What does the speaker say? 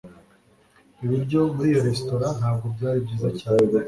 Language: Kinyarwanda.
Ibiryo muri iyo resitora ntabwo byari byiza cyane